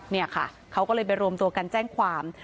เนี่ยค่ะเขาก็เลยไปรวมตัวกันแจ้งความ